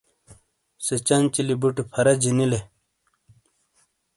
سے چنچیلی بُٹے پھَرا جینیلے۔